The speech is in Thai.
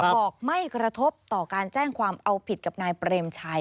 บอกไม่กระทบต่อการแจ้งความเอาผิดกับนายเปรมชัย